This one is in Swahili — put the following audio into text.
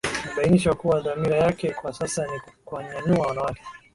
Amebainisha kuwa dhamira yake kwa sasa ni kuwanyanyua wanawake